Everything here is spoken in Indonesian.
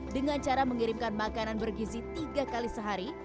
dengan cara mengirimkan makanan bergizi tiga kali sehari